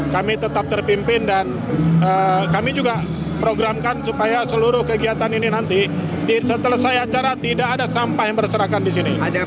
kami tetap terpimpin dan kami juga programkan supaya seluruh kegiatan ini nanti setelah saya acara tidak ada sampah yang berserakan di sini